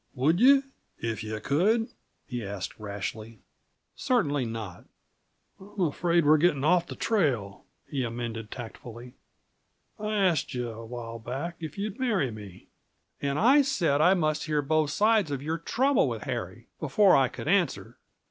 "Would you, if you could?" he asked rashly. "Certainly not!" "I'm afraid we're getting off the trail," he amended tactfully. "I asked you, a while back, if you'd marry me." "And I said I must hear both sides of your trouble with Harry, before I could answer."